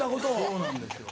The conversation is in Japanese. そうなんですよ。